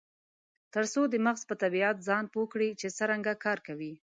ترڅو د مغز په طبیعت ځان پوه کړي چې څرنګه کار کوي.